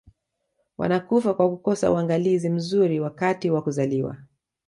wanakufa kwa kukosa uangalizi mzuri wakati wa kuzaliwa